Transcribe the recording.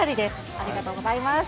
ありがとうございます。